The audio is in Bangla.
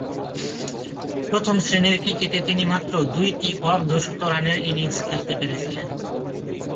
প্রথম-শ্রেণীর ক্রিকেটে তিনি মাত্র দুইটি অর্ধ-শতরানের ইনিংস খেলতে পেরেছিলেন।